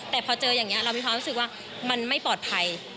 แต่พอเจออย่างนี้เรามีความรู้สึกว่ามันไม่ปลอดภัย